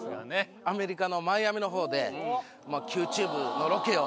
アメリカのマイアミのほうで「ＱＴｕｂｅ」のロケをしてきて。